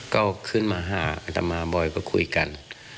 ก็ขึ้นมาหาอัตมาบอยก็คุยกัน